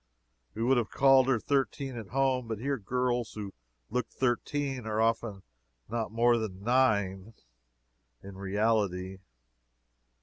We would have called her thirteen at home; but here girls who look thirteen are often not more than nine, in reality.